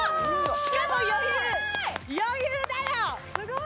しかも余裕余裕だよ！